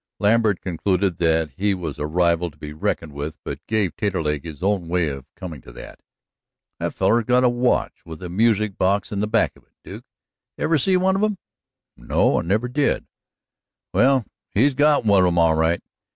Lambert concluded that he was a rival to be reckoned with, but gave Taterleg his own way of coming to that. "That feller's got a watch with a music box in the back of it, Duke. Ever see one of 'em?" "No, I never did." "Well, he's got one of 'em, all right.